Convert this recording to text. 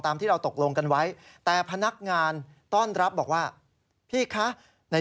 ตามที่เราตกลงกันไว้